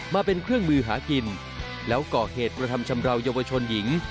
มาเป็นเครื่องมือหากินแล้วก่อเหตุกระทำชำราวเยาวชนหญิง